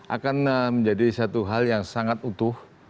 akan menjadi satu hal yang sangat utuh